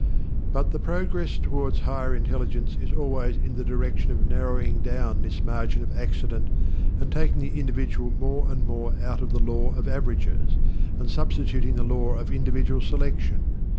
But the progress towards higher intelligence is always in the direction of narrowing down this margin of accident and taking the individual more and more out of the law of averages, and substituting the law of individual selection.